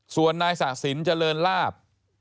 ส่วนนายสะสินเจริญลาบ